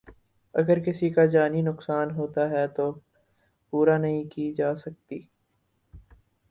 اگر کسی کا جانی نقصان ہوتا ہے تو پورا نہیں کی جا سکتی